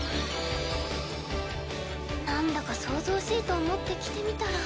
なんだか騒々しいと思って来てみたら。